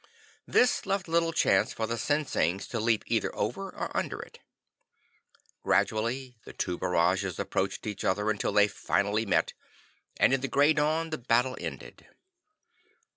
This left little chance for the Sinsings to leap either over or under it. Gradually, the two barrages approached each other until they finally met, and in the grey dawn the battle ended.